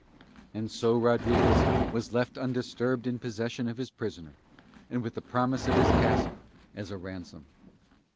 And so Rodriguez was left undisturbed in possession of his prisoner and with the promise of his castle as a ransom.